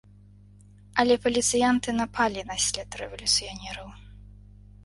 Але паліцыянты напалі на след рэвалюцыянераў.